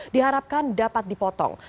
diharapkan dapat dipotong